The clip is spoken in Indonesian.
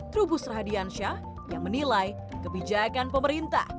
trubus radiansyah yang menilai kebijakan pemerintah